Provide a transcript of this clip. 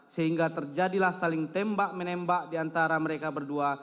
sehingga terjadilah saling tembak menembak di antara mereka berdua